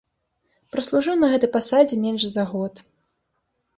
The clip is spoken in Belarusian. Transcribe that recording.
Праслужыў на гэтай пасадзе менш за год.